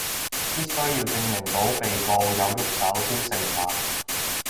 必須要證明到被告有郁手先成立